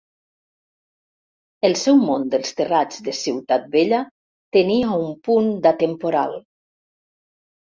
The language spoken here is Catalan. El seu món dels terrats de Ciutat Vella tenia un punt d'atemporal.